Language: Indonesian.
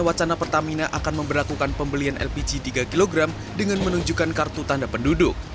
wacana pertamina akan memperlakukan pembelian lpg tiga kg dengan menunjukkan kartu tanda penduduk